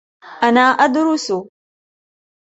أنا أدرس